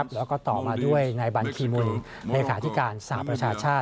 แล้วก็ต่อมาด้วยในบัญคีมุนในขาดิการศาสตร์ประชาชา